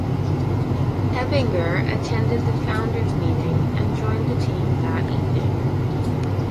Ebinger attended the founders meeting and joined the team that evening.